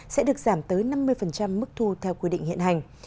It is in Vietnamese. sẽ được giảm tới năm mươi mức thu theo quy định hiện hành